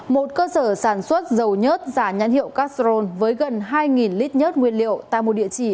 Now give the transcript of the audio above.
một cơ sở sản xuất dầu nhớt giả nhãn hiệu castrol với gần hai lít nhớt nguyên liệu tại một địa chỉ